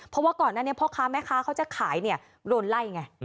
เพราะว่าก่อนนั่นพ่อค้าแม้ค้าเขาจะขายรวมไล่ไง